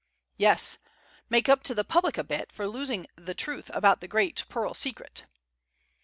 "Yes make up to the public a bit for losing the truth about the great pearl secret."